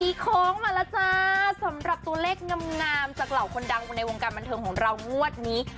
มีโค้งมาแล้วจ้าสำหรับตัวเลขงามจากเหล่าคนดังในวงการบันเทิงของเรางวดนี้